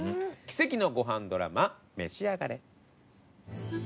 奇跡のごはんドラマ召し上がれ。